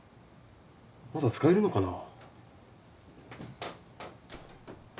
まだ使えるのかな？